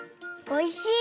おいしい。